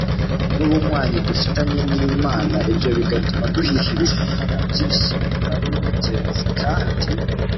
n'ubunywanyi dufitanye n'imana, ibyo bigatuma duhihibikanywa na byinshi bitari ingenzi, kandi